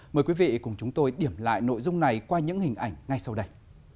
mời quý vị cùng chúng tôi điểm lại nội dung này qua những hình ảnh ngay sau đây